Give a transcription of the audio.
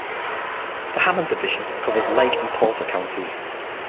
The Hammond Division covers Lake and Porter Counties.